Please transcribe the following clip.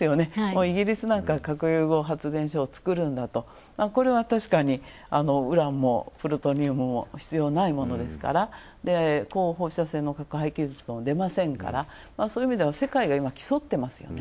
イギリスなんか発電所を作るとこれは確かにウランもプラトニウムも必要ないものですから、高放射性の核廃棄物も出ませんから、そういう意味では世界が競ってますよね。